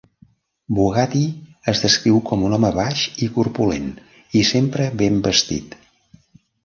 Bugatti és descrit com un home baix i corpulent, i sempre ben vestit.